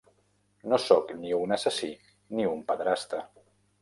No sóc ni un assassí ni un pederasta.